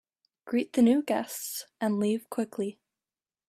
Greet the new guests and leave quickly.